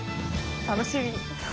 楽しみ。